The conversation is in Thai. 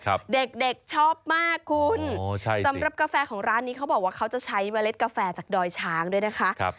ก็บอกว่าเขาจะใช้เมล็ดกาแฟจากดอยช้างด้วยนะคะ